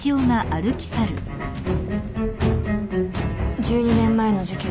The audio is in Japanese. １２年前の事件